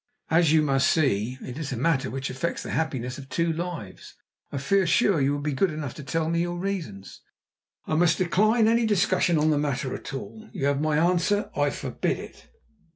"As you must see it is a matter which affects the happiness of two lives, I feel sure you will be good enough to tell me your reasons?" "I must decline any discussion on the matter at all. You have my answer, I forbid it!"